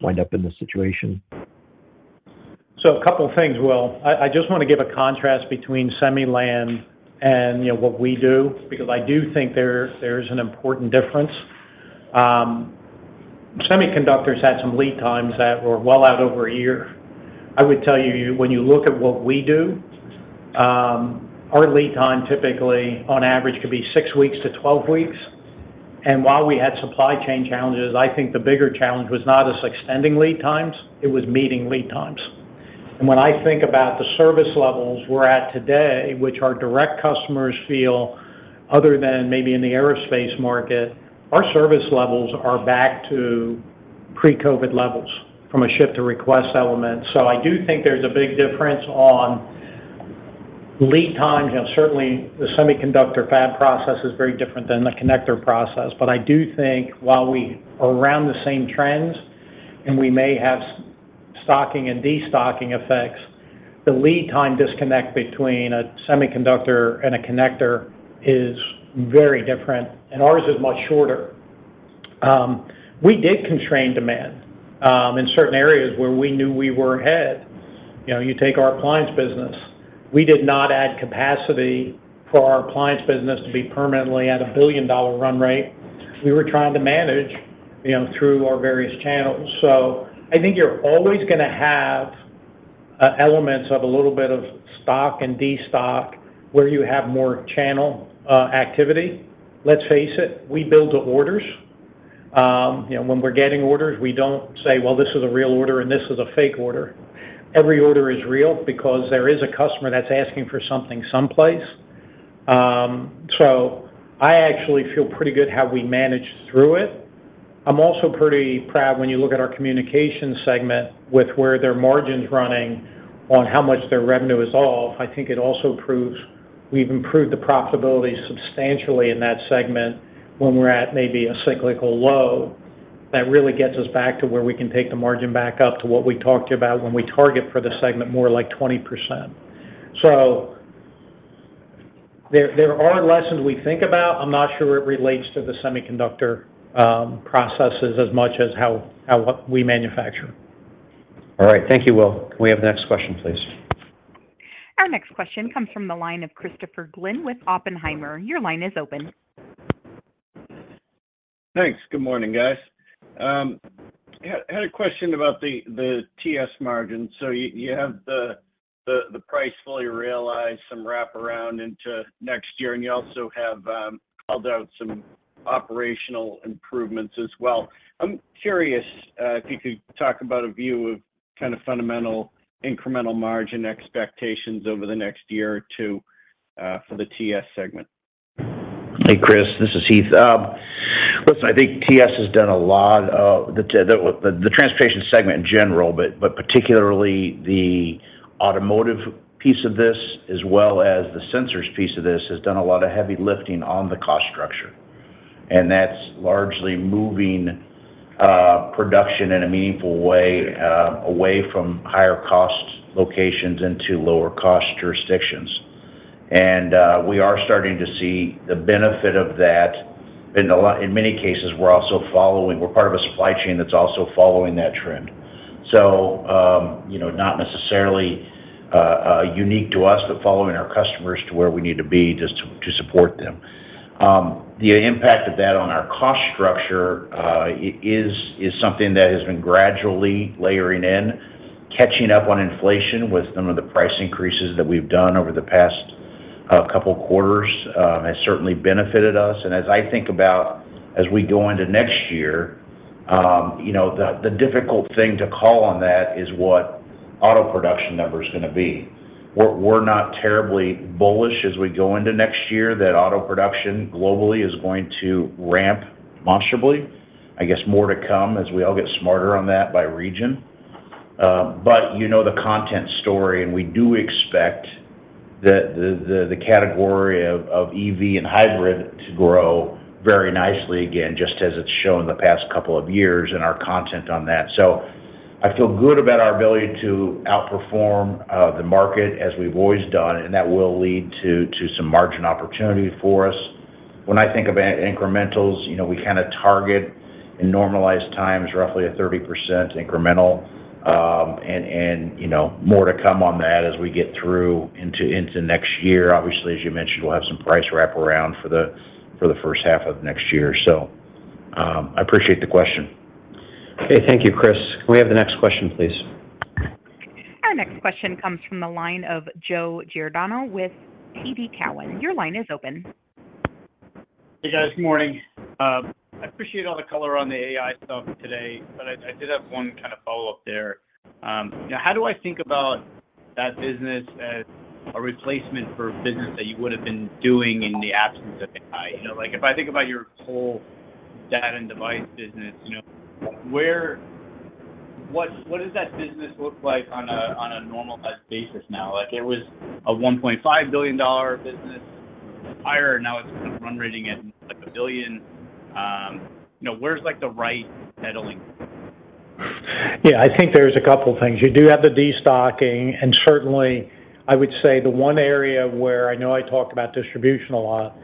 wind up in this situation? A couple of things, Will. I just want to give a contrast between semi land and, you know, what we do, because I do think there's an important difference. Semiconductors had some lead times that were well out over a year. I would tell you, when you look at what we do, our lead time, typically, on average, could be 6 weeks to 12 weeks. While we had supply chain challenges, I think the bigger challenge was not us extending lead times, it was meeting lead times. When I think about the service levels we're at today, which our direct customers feel, other than maybe in the aerospace market, our service levels are back to pre-COVID levels from a ship to request element. I do think there's a big difference on lead times. You know, certainly the semiconductor fab process is very different than the connector process. I do think while we are around the same trends, and we may have stocking and destocking effects, the lead time disconnect between a semiconductor and a connector is very different, and ours is much shorter. We did constrain demand in certain areas where we knew we were ahead. You know, you take our clients business, we did not add capacity for our clients business to be permanently at a billion-dollar run rate. We were trying to manage, you know, through our various channels. I think you're always going to have elements of a little bit of stock and destock where you have more channel activity. Let's face it, we build to orders. you know, when we're getting orders, we don't say, "Well, this is a real order and this is a fake order." Every order is real because there is a customer that's asking for something someplace. I actually feel pretty good how we managed through it. I'm also pretty proud when you look at our communication segment with where their margins running on how much their revenue is off. I think it also proves we've improved the profitability substantially in that segment when we're at maybe a cyclical low. That really gets us back to where we can take the margin back up to what we talked about when we target for the segment, more like 20%. There are lessons we think about. I'm not sure it relates to the semiconductor processes as much as how what we manufacture. All right. Thank you, Will. Can we have the next question, please? Our next question comes from the line of Christopher Glynn with Oppenheimer. Your line is open. Thanks. Good morning, guys. Had a question about the TS margin. You have the price fully realized, some wraparound into next year, and you also have called out some operational improvements as well. I'm curious if you could talk about a view of kind of fundamental incremental margin expectations over the next year or two for the TS segment. Hey, Chris, this is Heath. Listen, I think TS has done a lot of the Transportation segment in general, but particularly the automotive piece of this, as well as the sensors piece of this, has done a lot of heavy lifting on the cost structure, and that's largely moving production in a meaningful way away from higher cost locations into lower cost jurisdictions. We are starting to see the benefit of that in many cases, we're also following, we're part of a supply chain that's also following that trend. You know, not necessarily unique to us, but following our customers to where we need to be just to support them. The impact of that on our cost structure is something that has been gradually layering in, catching up on inflation with some of the price increases that we've done over the past couple quarters has certainly benefited us. As I think about as we go into next year, you know, the difficult thing to call on that is what auto production number is going to be. We're not terribly bullish as we go into next year, that auto production globally is going to ramp monstrously. I guess more to come as we all get smarter on that by region. You know the content story, and we do expect the category of EV and hybrid to grow very nicely again, just as it's shown in the past couple of years in our content on that. I feel good about our ability to outperform the market as we've always done, and that will lead to some margin opportunity for us. When I think about incrementals, you know, we kind of target in normalized times, roughly a 30% incremental. You know, more to come on that as we get through into next year. Obviously, as you mentioned, we'll have some price wraparound for the first half of next year. I appreciate the question. Okay. Thank you, Chris. Can we have the next question, please? Our next question comes from the line of Joe Giordano with TD Cowen. Your line is open. Hey, guys. Good morning. I appreciate all the color on the AI stuff today, but I did have one kind of follow-up there. Now, how do I think about that business as a replacement for business that you would have been doing in the absence of AI? You know, like, if I think about your whole data and device business, you know, what does that business look like on a, on a normalized basis now? Like, it was a $1.5 billion business higher, now it's run rating at, like, $1 billion. You know, where's, like, the right settling? I think there's a couple things. You do have the destocking, certainly, I would say the one area where I know I talk about distribution a lot,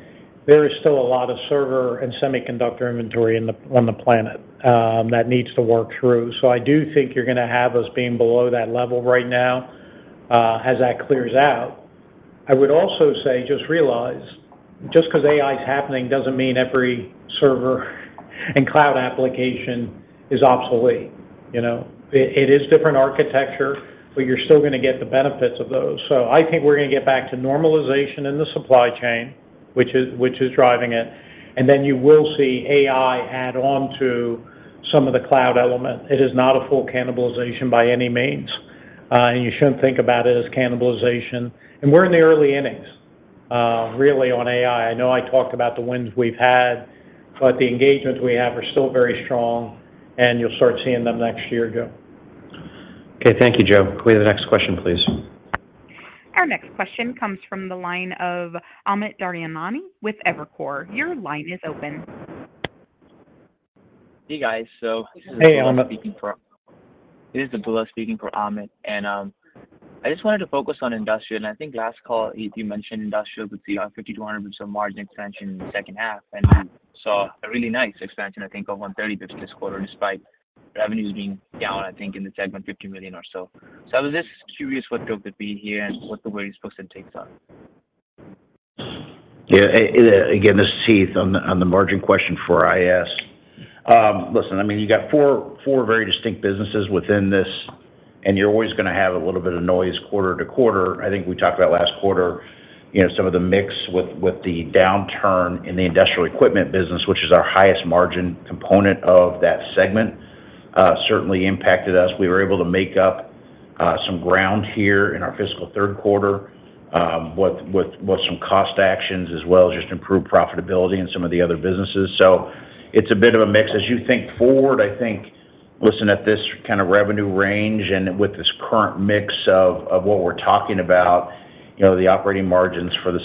there is still a lot of server and semiconductor inventory on the planet that needs to work through. I do think you're going to have us being below that level right now as that clears out. I would also say, just realize, just because AI is happening, doesn't mean every server and cloud application is obsolete. You know, it is different architecture, you're still going to get the benefits of those. I think we're going to get back to normalization in the supply chain, which is driving it, you will see AI add on to some of the cloud element. It is not a full cannibalization by any means, and you shouldn't think about it as cannibalization. We're in the early innings, really, on AI. I know I talked about the wins we've had, but the engagements we have are still very strong, and you'll start seeing them next year, Joe. Okay. Thank you, Joe. Can we have the next question, please? Our next question comes from the line of Amit Daryanani with Evercore. Your line is open. Hey, guys. Hey, Amit. This is Abdullah speaking for Amit, and I just wanted to focus on industrial. I think last call, you mentioned industrial would see a 50%-100% margin expansion in the second half, and saw a really nice expansion, I think of 130 this quarter, despite revenues being down, I think, in the segment, $50 million or so. I was just curious what drove it be here and what the way you supposed to takes on? Yeah, this is Heath on the margin question for IS. Listen, I mean, you got four very distinct businesses within this, you're always going to have a little bit of noise quarter-to-quarter. I think we talked about last quarter, you know, some of the mix with the downturn in the industrial equipment business, which is our highest margin component of that segment, certainly impacted us. We were able to make up some ground here in our fiscal 3rd quarter with some cost actions, as well as just improved profitability in some of the other businesses. It's a bit of a mix. As you think forward, I think, listen, at this kind of revenue range and with this current mix of what we're talking about, you know, the operating margins for the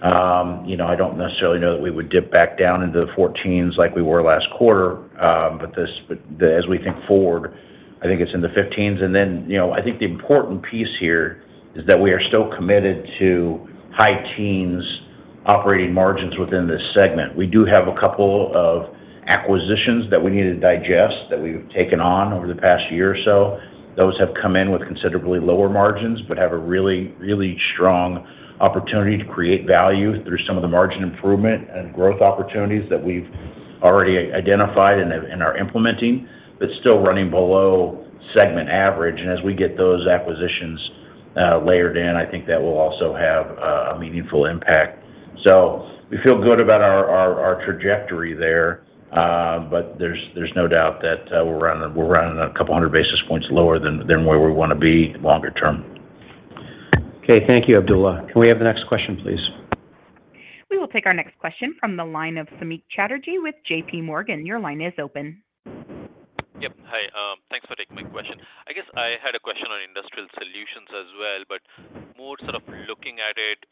segment probably start with a 15%. You know, I don't necessarily know that we would dip back down into the 14% like we were last quarter, as we think forward, I think it's in the 15%. You know, I think the important piece here is that we are still committed to high teens operating margins within this segment. We do have a couple of acquisitions that we need to digest, that we've taken on over the past year or so. Those have come in with considerably lower margins, but have a really strong opportunity to create value through some of the margin improvement and growth opportunities that we've already identified and are implementing, but still running below segment average. As we get those acquisitions layered in, I think that will also have a meaningful impact. We feel good about our trajectory there, but there's no doubt that we're running a couple of hundred basis points lower than where we want to be longer term. Okay, thank you, Abdullah. Can we have the next question, please? We will take our next question from the line of Samik Chatterjee with J.P. Morgan. Your line is open. Yep. Hi, thanks for taking my question. I guess I had a question on industrial solutions as well, but more sort of looking at it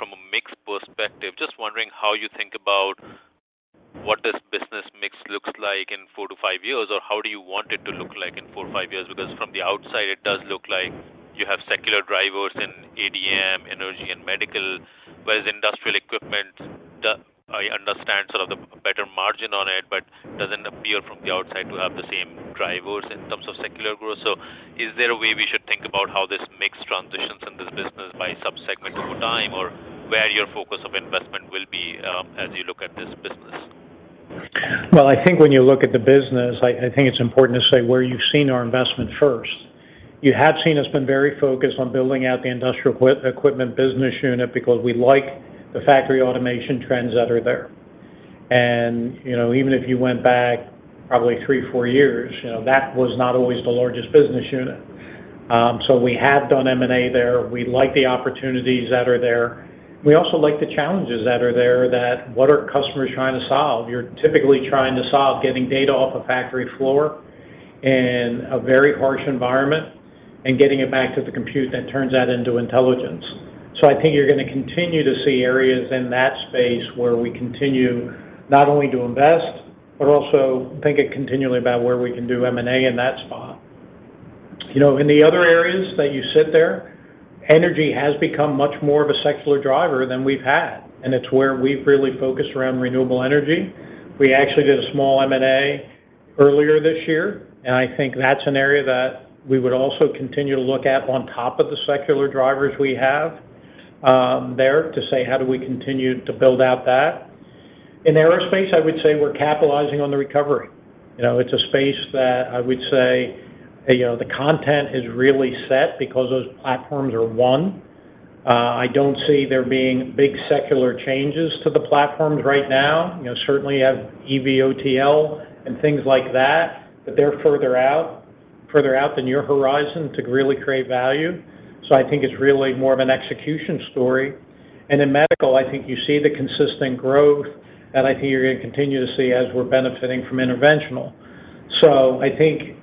from a mix perspective. Just wondering how you think about what this business mix looks like in 4 to 5 years, or how do you want it to look like in 4 or 5 years? Because from the outside, it does look like you have secular drivers in AD&M, energy, and medical, whereas industrial equipment, I understand sort of the better margin on it, but doesn't appear from the outside to have the same drivers in terms of secular growth. Is there a way we should think about how this mix transitions in this business by subsegment over time, or where your focus of investment will be as you look at this business? Well, I think when you look at the business, I think it's important to say where you've seen our investment first. You have seen us been very focused on building out the industrial equipment business unit because we like the factory automation trends that are there. You know, even if you went back probably 3, 4 years, you know, that was not always the largest business unit. We have done M&A there. We like the opportunities that are there. We also like the challenges that are there, that what are customers trying to solve? You're typically trying to solve getting data off a factory floor in a very harsh environment and getting it back to the compute that turns that into intelligence. I think you're gonna continue to see areas in that space where we continue not only to invest, but also thinking continually about where we can do M&A in that spot. You know, in the other areas that you sit there, energy has become much more of a secular driver than we've had, and it's where we've really focused around renewable energy. We actually did a small M&A earlier this year, and I think that's an area that we would also continue to look at on top of the secular drivers we have, there, to say: How do we continue to build out that? In aerospace, I would say we're capitalizing on the recovery. You know, it's a space that I would say, you know, the content is really set because those platforms are one. I don't see there being big secular changes to the platforms right now. You know, certainly, you have eVTOL and things like that, but they're further out, further out than your horizon to really create value. I think it's really more of an execution story. In medical, I think you see the consistent growth, and I think you're gonna continue to see as we're benefiting from interventional. I think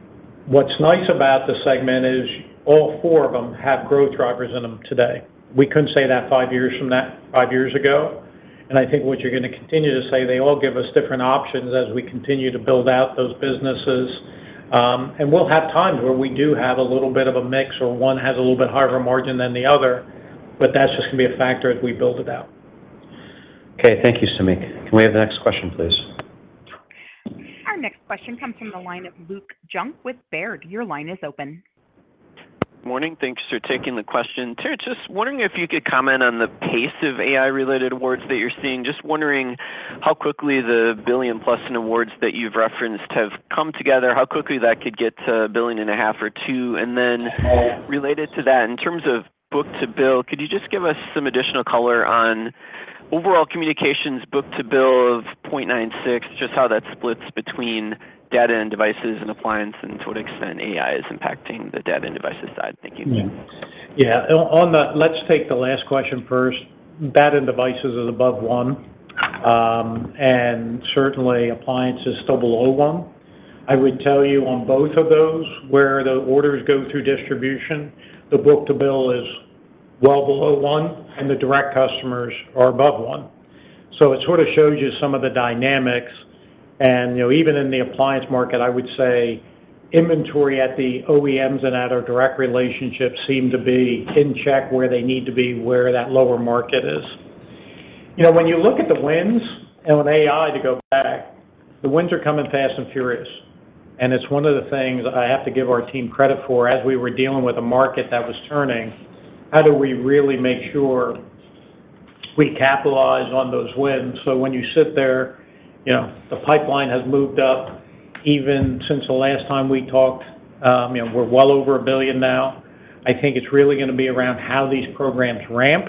what's nice about this segment is all four of them have growth drivers in them today. We couldn't say that five years ago. I think what you're gonna continue to say, they all give us different options as we continue to build out those businesses. We'll have times where we do have a little bit of a mix or one has a little bit higher of a margin than the other, but that's just gonna be a factor as we build it out. Okay, thank you, Samik. Can we have the next question, please? Our next question comes from the line of Luke Junk with Baird. Your line is open. Morning. Thanks for taking the question. Terrence, just wondering if you could comment on the pace of AI-related awards that you're seeing. Just wondering how quickly the $1 billion-plus in awards that you've referenced have come together, how quickly that could get to $1.5 billion or $2 billion? Related to that, in terms of book-to-bill, could you just give us some additional color on overall communications book-to-bill of 0.96, just how that splits between data and devices and appliance, and to what extent AI is impacting the data and devices side? Thank you. Let's take the last question first. Data and devices is above 1, certainly, appliances still below 1. I would tell you on both of those, where the orders go through distribution, the book-to-bill is well below 1, the direct customers are above 1. It sort of shows you some of the dynamics. You know, even in the appliance market, I would say inventory at the OEMs and at our direct relationships seem to be in check where they need to be, where that lower market is. You know, when you look at the wins and with AI, to go back, the wins are coming fast and furious, it's one of the things I have to give our team credit for. As we were dealing with a market that was turning, how do we really make sure we capitalize on those wins? When you sit there, you know, the pipeline has moved up even since the last time we talked. You know, we're well over $1 billion now. I think it's really gonna be around how these programs ramp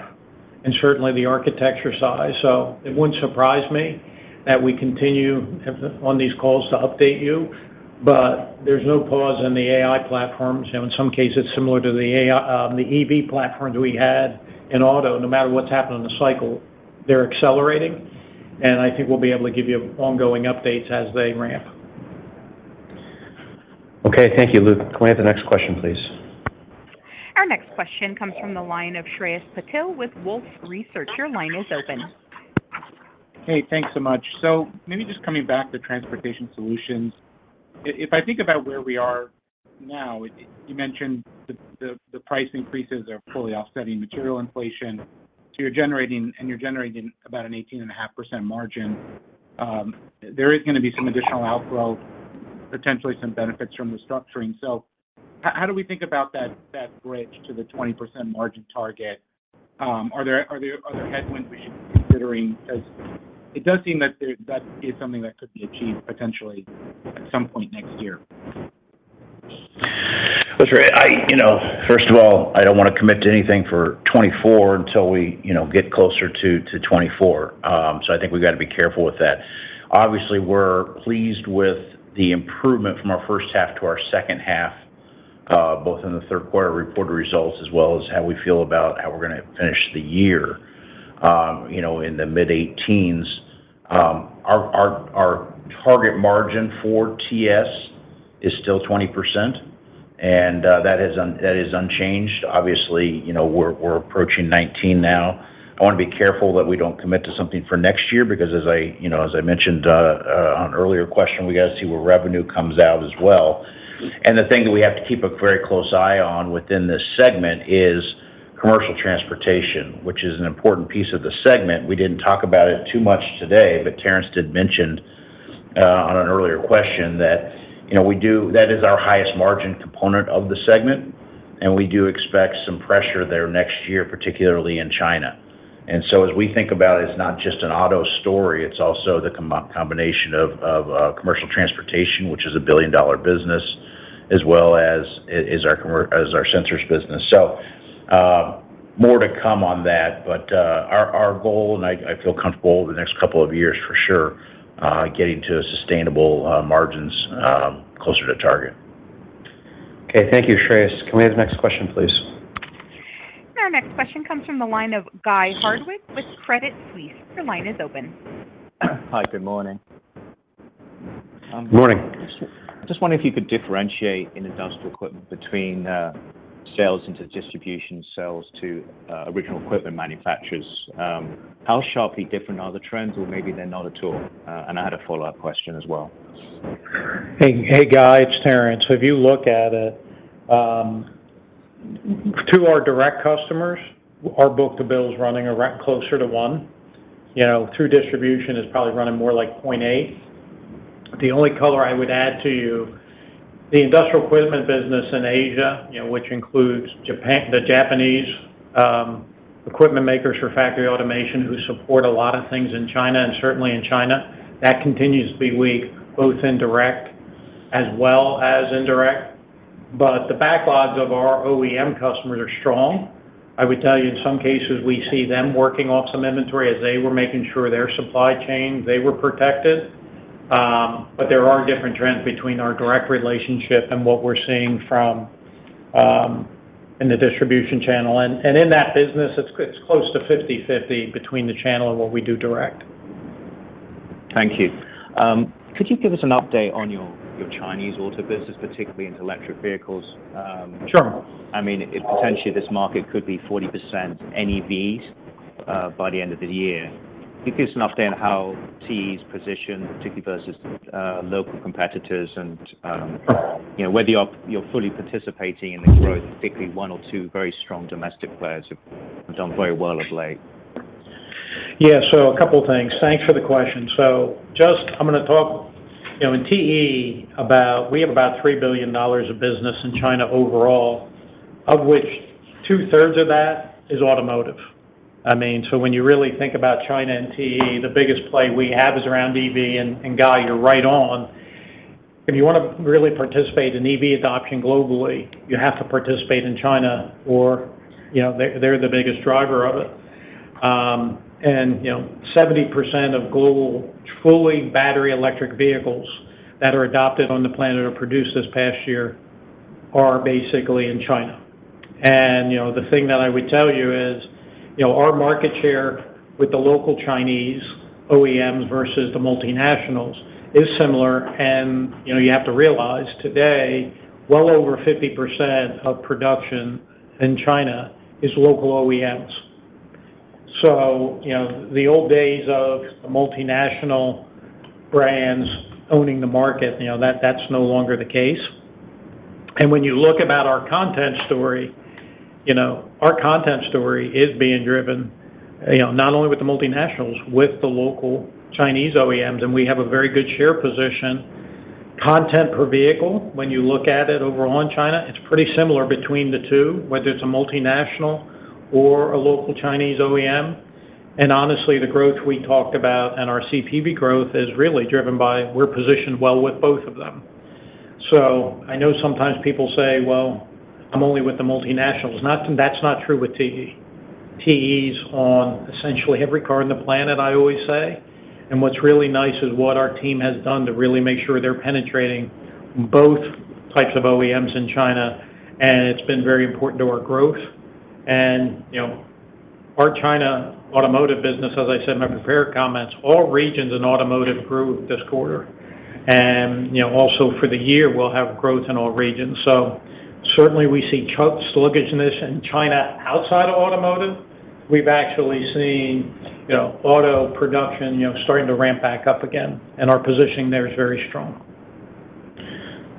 and certainly the architecture size. It wouldn't surprise me that we continue on these calls to update you, but there's no pause in the AI platforms. You know, in some cases, similar to the AI, the EV platforms we had in auto. No matter what's happening in the cycle, they're accelerating, and I think we'll be able to give you ongoing updates as they ramp. Okay, thank you, Luke. Can we have the next question, please? Our next question comes from the line of Shreyas Patil with Wolfe Research. Your line is open. Hey, thanks so much. Maybe just coming back to transportation solutions. If I think about where we are now, you mentioned the price increases are fully offsetting material inflation. You're generating about an 18.5% margin. There is going to be some additional outflow, potentially some benefits from the structuring. How do we think about that bridge to the 20% margin target? Are there other headwinds we should be considering? It does seem that is something that could be achieved potentially at some point next year. Look, Shreyas, You know, first of all, I don't wanna commit to anything for 2024 until we, you know, get closer to 2024. I think we've got to be careful with that. Obviously, we're pleased with the improvement from our first half to our second half, both in the third quarter reported results, as well as how we feel about how we're gonna finish the year, you know, in the mid-18s. Our, our target margin for TS is still 20%, and that is unchanged. Obviously, you know, we're approaching 19 now. I want to be careful that we don't commit to something for next year because as I, you know, as I mentioned, on an earlier question, we got to see where revenue comes out as well. The thing that we have to keep a very close eye on within this segment is commercial transportation, which is an important piece of the segment. We didn't talk about it too much today, but Terrence did mention on an earlier question that, you know, that is our highest margin component of the segment, and we do expect some pressure there next year, particularly in China. As we think about it's not just an auto story, it's also the combination of commercial transportation, which is a billion-dollar business, as well as our sensors business. More to come on that, but our goal, and I feel comfortable over the next couple of years for sure, getting to sustainable margins closer to target. Okay, thank you, Shreyas. Can we have the next question, please? Our next question comes from the line of Guy Hardwick with Credit Suisse. Your line is open. Hi, good morning. Good morning. Just wondering if you could differentiate in industrial equipment between sales into distribution, sales to original equipment manufacturers. How sharply different are the trends, or maybe they're not at all? I had a follow-up question as well. Hey, hey, Guy, it's Terrence. If you look at it, to our direct customers, our book-to-bill is running around closer to 1. You know, through distribution, it's probably running more like 0.8. The only color I would add to you, the industrial equipment business in Asia, you know, which includes the Japanese equipment makers for factory automation, who support a lot of things in China and certainly in China, that continues to be weak, both in direct as well as indirect. The backlogs of our OEM customers are strong. I would tell you, in some cases, we see them working off some inventory as they were making sure their supply chain, they were protected. There are different trends between our direct relationship and what we're seeing from in the distribution channel. In that business, it's close to 50/50 between the channel and what we do direct. Thank you. Could you give us an update on your Chinese auto business, particularly into electric vehicles? Sure. I mean, potentially, this market could be 40% NEVs by the end of the year. Can you give us an update on how TE's positioned, particularly versus local competitors and, you know, whether you're fully participating in the growth, particularly one or two very strong domestic players have done very well of late? A couple of things. Thanks for the question. I'm gonna talk, you know, in TE about we have about $3 billion of business in China overall, of which two-thirds of that is automotive. I mean, when you really think about China and TE, the biggest play we have is around EV, and Guy, you're right on. If you want to really participate in EV adoption globally, you have to participate in China or, you know, they're the biggest driver of it. You know, 70% of global fully battery electric vehicles that are adopted on the planet or produced this past year are basically in China. you know, the thing that I would tell you is, you know, our market share with the local Chinese OEMs versus the multinationals is similar, and, you know, you have to realize today, well over 50% of production in China is local OEMs. you know, the old days of the multinational brands owning the market, you know, that's no longer the case. when you look about our content story, you know, our content story is being driven, you know, not only with the multinationals, with the local Chinese OEMs, and we have a very good share position. Content per vehicle, when you look at it overall in China, it's pretty similar between the two, whether it's a multinational or a local Chinese OEM. Honestly, the growth we talked about and our CPV growth is really driven by we're positioned well with both of them. I know sometimes people say, "Well, I'm only with the multinationals." That's not true with TE. TE's on essentially every car on the planet, I always say. What's really nice is what our team has done to really make sure they're penetrating both types of OEMs in China, and it's been very important to our growth. You know, our China automotive business, as I said in my prepared comments, all regions in automotive grew this quarter. You know, also for the year, we'll have growth in all regions. Certainly, we see sluggishness in China outside of automotive. We've actually seen, you know, auto production, you know, starting to ramp back up again, and our positioning there is very strong.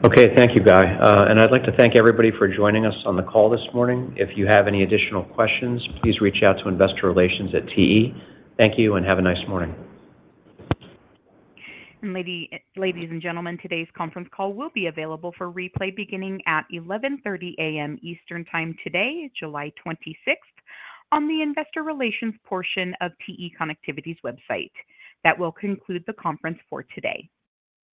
Okay, thank you, Guy. I'd like to thank everybody for joining us on the call this morning. If you have any additional questions, please reach out to Investor Relations at TE. Thank you and have a nice morning. ladies and gentlemen, today's conference call will be available for replay beginning at 11:30 A.M. Eastern time today, July 26th, on the Investor Relations portion of TE Connectivity's website. That will conclude the conference for today.